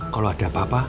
kalo ada apa apa